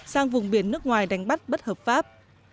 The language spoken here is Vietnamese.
sang vùng biển nước ngoài đánh bắt bất hợp pháp